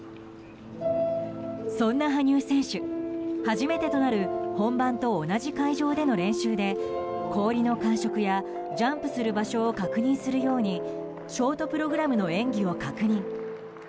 そんな羽生選手、初めてとなる本番と同じ会場での練習で氷の感触や、ジャンプする場所を確認するようにショートプログラムの演技を確認。